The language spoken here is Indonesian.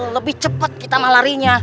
lebih cepet kita mah larinya